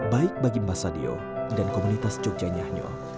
baik bagi mbah sadio dan komunitas jogja nyahnyo